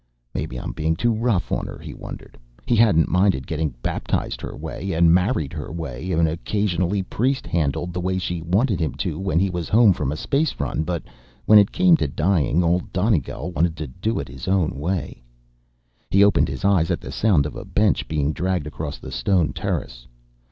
Maybe I'm being too rough on her? he wondered. He hadn't minded getting baptized her way, and married her way, and occasionally priest handled the way she wanted him to when he was home from a space run, but when it came to dying, Old Donegal wanted to do it his own way. He opened his eyes at the sound of a bench being dragged across the stone terrace.